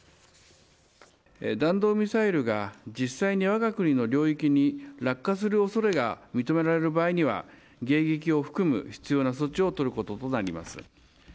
弾道ミサイルが実際にわが国の領域に落下するおそれが認められる場合には、迎撃を含む必要な措置を取ることとなります。